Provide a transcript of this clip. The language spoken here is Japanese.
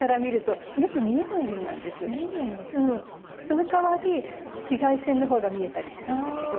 そのかわり紫外線の方が見えたりするんだけど。